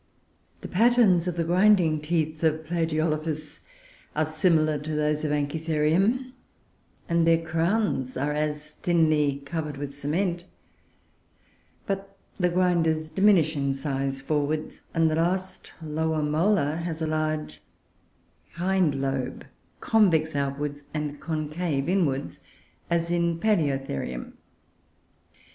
The patterns of the grinding teeth of Plagiolophus are similar to those of Anchitherium, and their crowns are as thinly covered with cement; but the grinders diminish in size forwards, and the last lower molar has a large hind lobe, convex outwards and concave inwards, as in Palueotherium.